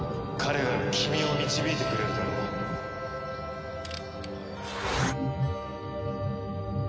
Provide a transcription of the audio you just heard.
彼が君を導いてくれるだろう。